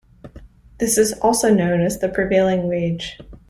This is also known as the prevailing wage.